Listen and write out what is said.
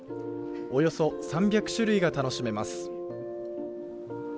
およそ３００種類以上が楽しめます。